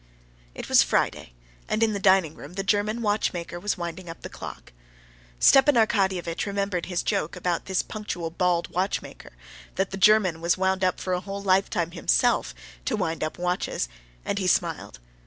It was Friday, and in the dining room the German watchmaker was winding up the clock. Stepan Arkadyevitch remembered his joke about this punctual, bald watchmaker, "that the German was wound up for a whole lifetime himself, to wind up watches," and he smiled.